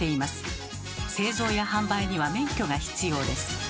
製造や販売には免許が必要です。